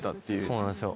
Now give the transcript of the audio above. そうなんですよ。